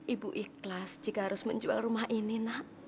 ibu ikhlas jika harus menjual rumah ini nak